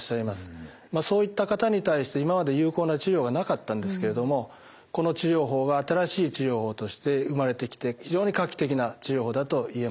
そういった方に対して今まで有効な治療がなかったんですけれどもこの治療法が新しい治療法として生まれてきて非常に画期的な治療法だと言えます。